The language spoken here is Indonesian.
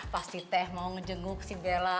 pas si teh mau ngejenguk si bella